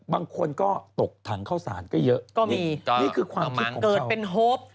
บางคนก็ตกถังเข้าสารก็เยอะนี่คือความคิดของเขาก็มั้งเกิดเป็นโฮป